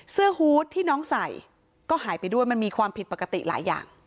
ฮูตที่น้องใส่ก็หายไปด้วยมันมีความผิดปกติหลายอย่าง